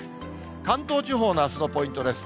関東地方のあすのポイントです。